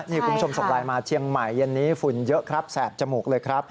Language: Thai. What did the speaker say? นี่คุณผู้ชมส่งไลน์มาเชียงใหม่เย็นนี้ฝุ่นเยอะครับแสบจมูกเลยครับ